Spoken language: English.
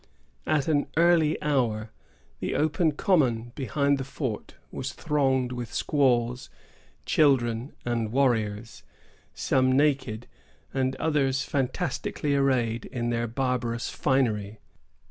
At an early hour the open common behind the fort was thronged with squaws, children, and warriors, some naked, and others fantastically arrayed in their barbarous finery.